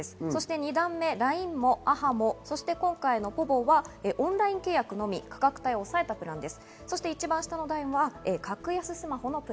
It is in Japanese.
２段目ＬＩＮＥＭＯ、ａｈａｍｏ、そして今回のｐｏｖｏがオンライン契約のみ価格帯をおさえたプランです。